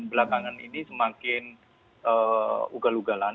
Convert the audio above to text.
belakangan ini semakin ugal ugalan